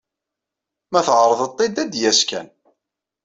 Ma tɛreḍeḍ-t-id, ad d-yas kan.